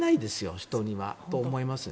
人にはと思いますね。